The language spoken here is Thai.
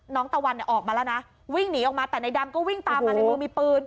ตะวันเนี่ยออกมาแล้วนะวิ่งหนีออกมาแต่ในดำก็วิ่งตามมาในมือมีปืน